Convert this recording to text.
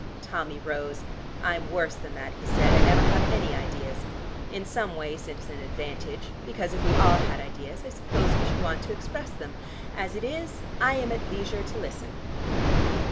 Tommy rose. "I'm worse than that," he said. "I never have any ideas. In some ways it's an advantage, because if we all had ideas, I suppose we should want to express them. As it is I am at leisure to listen."